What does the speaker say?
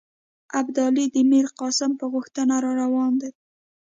ابدالي د میرقاسم په غوښتنه را روان دی.